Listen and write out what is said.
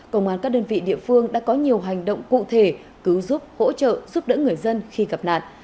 công an các đơn vị địa phương đã có nhiều hành động cụ thể cứu giúp hỗ trợ giúp đỡ người dân khi gặp nạn